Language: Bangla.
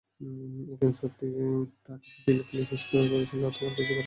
এই ক্যান্সার তাকে তিলে তিলে শেষ করেছিলো তোমার কিছুই করার ছিলো না।